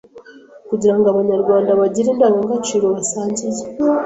Kugira ngo Abanyarwanda bagire Indangagaciro basangiye